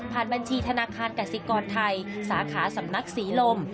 บัญชีธนาคารกสิกรไทยสาขาสำนักศรีลม